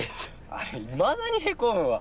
あれいまだにヘコむわ。